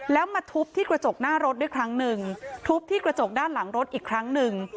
แล้วมาทุบที่กระจกหน้ารถด้วยครั้งหนึ่งทุบที่กระจกด้านหลังรถอีกครั้งหนึ่ง